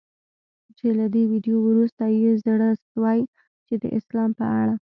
چي له دې ویډیو وروسته یې زړه سوی چي د اسلام په اړه